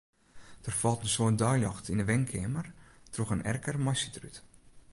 Der falt in soad deiljocht yn 'e wenkeamer troch in erker mei sydrút.